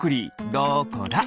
どこだ？